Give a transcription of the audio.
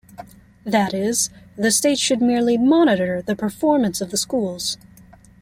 That is, the states should merely monitor the performance of the schools.